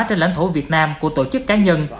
trên lãnh thổ việt nam của tổ chức cá nhân